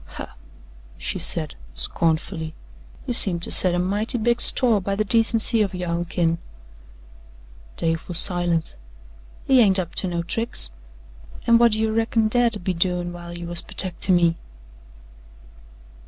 "Huh!" she said scornfully. "You seem to set a mighty big store by the decency of yo' own kin." Dave was silent. "He ain't up to no tricks. An' whut do you reckon Dad 'ud be doin' while you was pertecting me?"